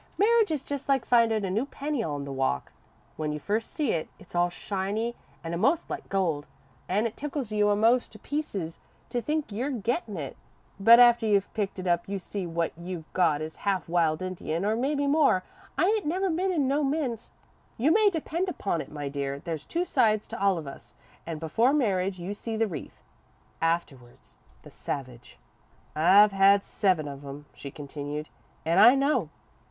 Marriage is just like findin' a new penny on the walk. When you first see it, it's all shiny an' a'most like gold, an' it tickles you a'most to pieces to think you're gettin' it, but after you've picked it up you see that what you've got is half wild Indian, or mebbe more I ain't never been in no mint. You may depend upon it, my dear, there's two sides to all of us, an' before marriage, you see the wreath afterwards a savage. "I've had seven of 'em," she continued, "an' I know.